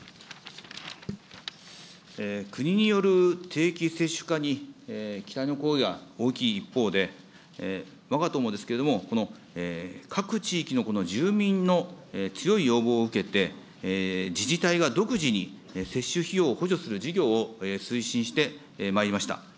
国による定期接種化に期待の声が大きい一方で、わが党もですけれども、この各地域の住民の強い要望を受けて、自治体が独自に接種費用を補助する事業を推進してまいりました。